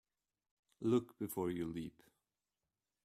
Look before you leap.